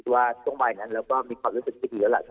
ก็คิดว่าช่วงใหม่นั้นมีความรู้สึกพิถีว่า